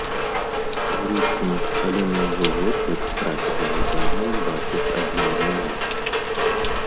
Зручна, але мы ўжо год як страцілі жаданне бачыць адно аднаго.